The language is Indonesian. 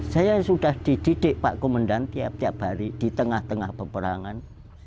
saya sudah dididik pak komandan tiap tiap hari di tengah tengah peperangan